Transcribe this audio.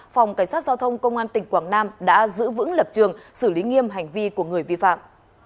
phòng cảnh sát giao thông công an tỉnh quảng nam đã giữ vững lập trường xử lý nghiêm hành vi của người vi phạm